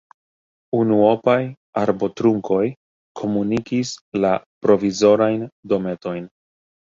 Unuopaj arbotrunkoj komunikis la provizorajn dometojn.